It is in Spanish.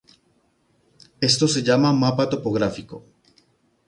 Esto se llama mapa topográfico.